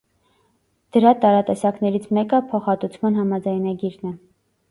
Դրա տարատեսակներից մեկը՝ փոխհատուցման համաձայնագիրն է։